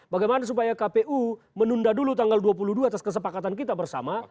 bagaimana supaya kpu menunda dulu tanggal dua puluh dua atas kesepakatan kita bersama